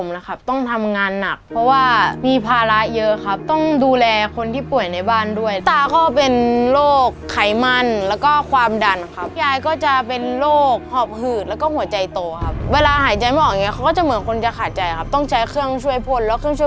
รายการต่อไปนี้เป็นรายการทั่วไปสามารถรับชมได้ทุกวัย